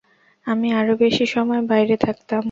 আমি আরও বেশি সময় বাইরে থাকতাম।